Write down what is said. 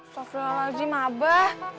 sosial lagi sama abah